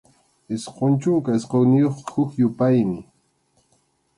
Isqun chunka isqunniyuqqa huk yupaymi.